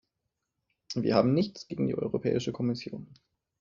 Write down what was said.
Wir haben nichts gegen die Europäische Kommission.